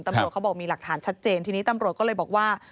ตำรวจเขาบอกมีหลักฐานชัดเจนทีนี้ตำรวจก็เลยบอกว่า